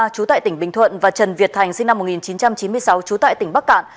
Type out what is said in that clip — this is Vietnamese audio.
chú tại tỉnh bình thuận và trần việt thành sinh năm một nghìn chín trăm chín mươi sáu trú tại tỉnh bắc cạn